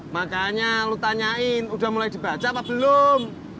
makanya lu tanyain udah mulai dibaca apa belum